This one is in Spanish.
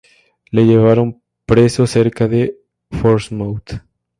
Le llevaron preso cerca de Portsmouth.